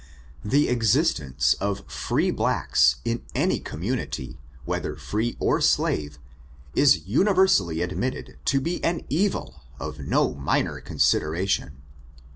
The existence of free blaeka in any community, whether free or slave, is universally admitted to be an evil of no minor consideration.